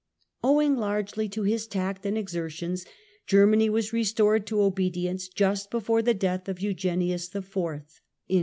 Owing largely to his tact and exertions, Germany was restored to obedience just be fore the death of Eugenius IV.